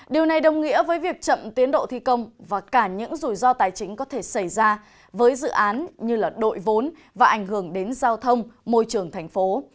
điều này đồng nghĩa với việc chậm tiến độ thi công và cả những rủi ro tài chính có thể xảy ra với dự án như đội vốn và ảnh hưởng đến giao thông môi trường thành phố